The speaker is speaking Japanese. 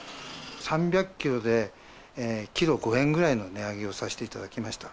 ３００キロで、キロ５円くらいの値上げをさせていただきました。